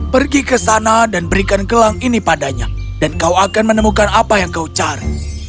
pergi ke sana dan berikan gelang ini padanya dan kau akan menemukan apa yang kau cari